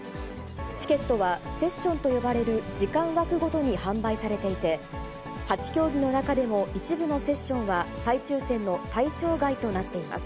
チケットはセッションと呼ばれる時間枠ごとに販売されていて、８競技の中でも一部のセッションは再抽せんの対象外となっています。